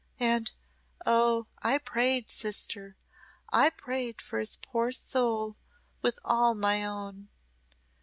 And, oh, I prayed, sister I prayed for his poor soul with all my own.